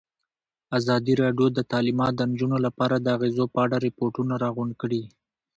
ازادي راډیو د تعلیمات د نجونو لپاره د اغېزو په اړه ریپوټونه راغونډ کړي.